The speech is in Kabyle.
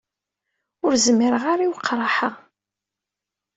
Ur zmireɣ ara i weqraḥ-a.